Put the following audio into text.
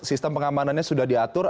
sistem pengamanannya sudah diatur